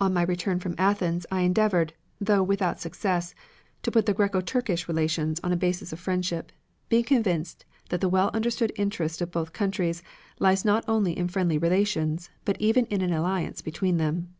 On my return from Athens I endeavored, though without success, to put the Greco Turkish relations on a basis of friendship, being convinced that the well understood interest of both countries lies not only in friendly relations, but even in an alliance between them.